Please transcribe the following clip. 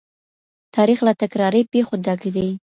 تاريخ له تکراري پېښو ډک دی.